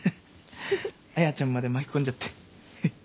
彩ちゃんまで巻き込んじゃって。